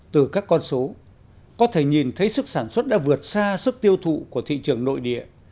từ các con số có thể nhìn thấy sức sản xuất đã vượt xa sức tiêu thụ của thị trường nội địa